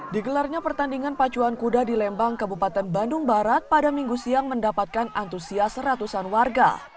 digelarnya pertandingan pacuan kuda di lembang kabupaten bandung barat pada minggu siang mendapatkan antusias ratusan warga